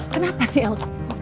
kenapa sih el